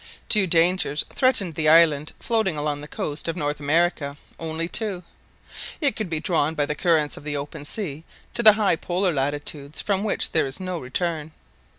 Two dangers threatened the island floating along the coast of North America, only two. It would be drawn by the currents of the open sea to the high Polar latitudes, from which there is no return.